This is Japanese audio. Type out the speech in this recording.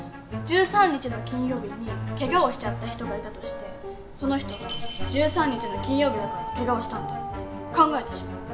１３日の金曜日にケガをしちゃった人がいたとしてその人が１３日の金曜日だからケガをしたんだって考えてしまう。